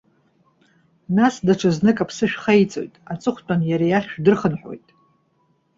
Нас, даҽазнык аԥсы шәхаиҵоит. Аҵыхәтәан иара иахь шәдырхынҳәуеит.